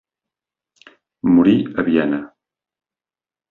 Morí a Viena.